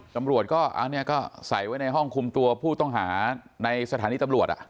ตำรวจก็อันนี้ก็ใส่ไว้ในห้องคุมตัวผู้ต้องหาในสถานีตำรวจ